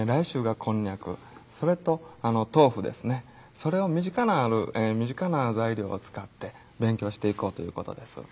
それを身近な身近な材料を使って勉強していこうということです。